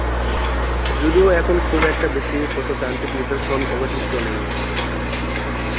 যদিও এখন খুব একটা বেশি প্রত্নতাত্ত্বিক নিদর্শন অবশিষ্ট নেই।